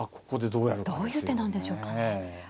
どういう手なんでしょうかね。